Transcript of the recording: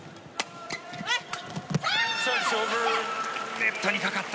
ネットにかかった。